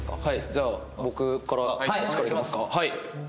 じゃあ僕からこっちからいきますか？